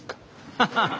ハハハ！